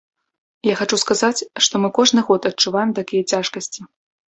Я хачу сказаць, што мы кожны год адчуваем такія цяжкасці.